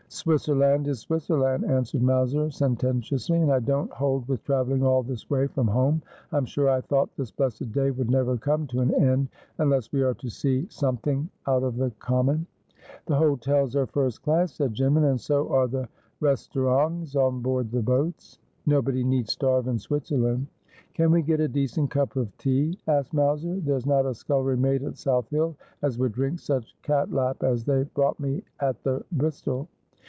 ' Swisserland is Swisserland,' answered Mowser senten tiously, 'and I don't hold with travelling all this way from home — I'm sure I thought this blessed day would never come to an end — unless we are to see somethink out of the common.' 'The hotels are first class,' said Jinman, 'and so are the restorongs on board the boats. Nobody need starve in Swit zerland.' ' Can we get a decent cup of tea ?' asked Mowser. ' There's not a scullery maid at South Hill as would drink such cat lap as they brought me at the Bristol.'